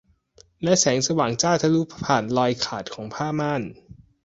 และแสงสว่างจ้าทะลุผ่านรอยขาดของผ้าม่าน